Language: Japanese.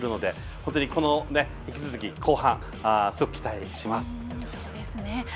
本当に引き続き、後半にすごく期待します。